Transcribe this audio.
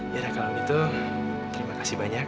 ya kalau gitu terima kasih banyak